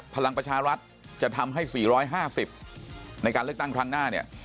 พลังประชารัฐจะทำให้๔๕๐ในการเลือกตั้งครั้งหน้าเนี่ย